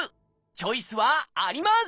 チョイスはあります！